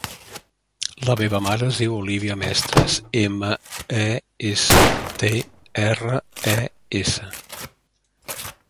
La meva mare es diu Olívia Mestres: ema, e, essa, te, erra, e, essa.